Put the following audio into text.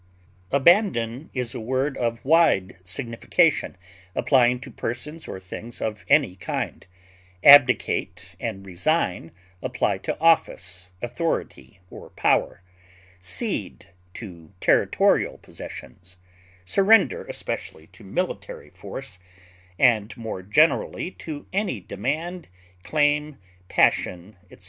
Abandon is a word of wide signification, applying to persons or things of any kind; abdicate and resign apply to office, authority, or power; cede to territorial possessions; surrender especially to military force, and more generally to any demand, claim, passion, etc.